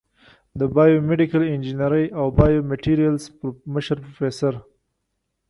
د بایو میډیکل انجینرۍ او بایومیټریلز مشر پروفیسر